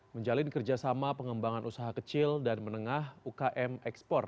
menjalin kerjasama pengembangan usaha kecil dan menengah ukm ekspor